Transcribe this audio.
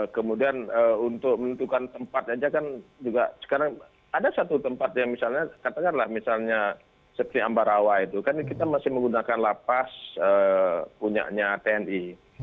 kemudian untuk menentukan tempat aja kan juga sekarang ada satu tempat yang misalnya katakanlah misalnya seperti ambarawa itu kan kita masih menggunakan lapas punyanya tni